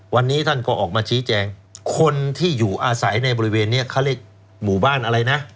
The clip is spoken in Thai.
วันนี้ท่านก็ออกมาชี้แจงคนที่อยู่อาศัยในบริเวณนี้เขาเรียกหมู่บ้านอะไรนะ